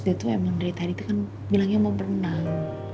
dia tuh emang dari tadi itu kan bilangnya mau berenang